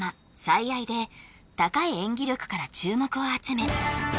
「最愛」で高い演技力から注目を集め